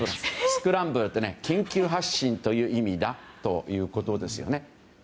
スクランブルって緊急発進という意味だということです。